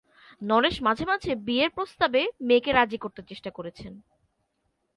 নরেশ মাঝে মাঝে বিয়ের প্রস্তাবে মেয়েকে রাজি করতে চেষ্টা করেছেন।